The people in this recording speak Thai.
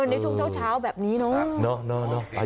ในช่วงเช้าแบบนี้เนอะเนอะเนอะเนอะ